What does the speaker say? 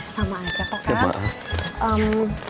sama aja kok kang